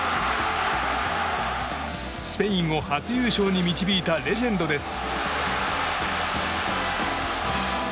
スペインを初優勝に導いたレジェンドです。